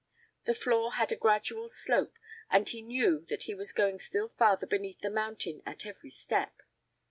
The floor had a gradual slope and he knew that he was going still farther beneath the mountain at every step.